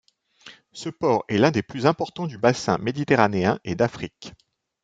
Ce port est l'un des plus importants du bassin méditerranéen et d'Afrique.